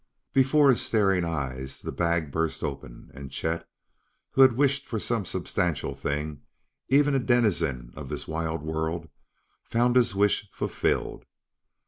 Before his staring eyes the bag burst open; and Chet, who had wished for some substantial thing, even a denizen of this wild world, found his wish fulfilled.